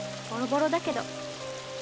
ボロボロだけど。